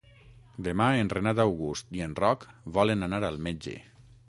Demà en Renat August i en Roc volen anar al metge.